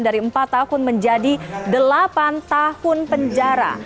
dari empat tahun menjadi delapan tahun penjara